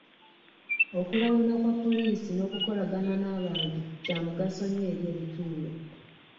Okulawuna kwa poliisi n'okukolagana n'abantu kya mugaso nnyo eri ebitundu.